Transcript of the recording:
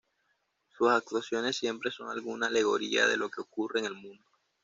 Sus actuaciones siempre son alguna alegoría de lo que ocurre en el mundo.